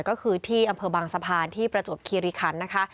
ก็คือที่อำเภอบางสะพานที่ประจวบคีริคันนะคะ